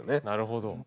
なるほど。